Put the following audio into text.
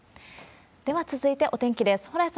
では、続いてお天気です。